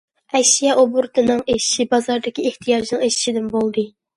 ئەشيا ئوبوروتىنىڭ ئېشىشى بازاردىكى ئېھتىياجنىڭ ئېشىشىدىن بولدى.